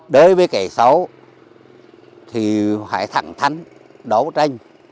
đối với kẻ xấu thì phải thẳng thắn đấu tranh